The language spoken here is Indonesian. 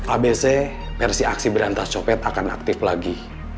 abc versi aksi berantas copet akan aktif lagi